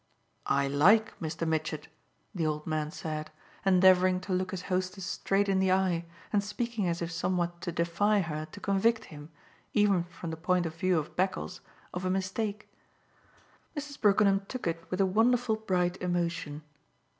"I LIKE Mr. Mitchett," the old man said, endeavouring to look his hostess straight in the eye and speaking as if somewhat to defy her to convict him, even from the point of view of Beccles, of a mistake. Mrs. Brookenham took it with a wonderful bright emotion.